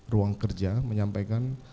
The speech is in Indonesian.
ruang kerja menyampaikan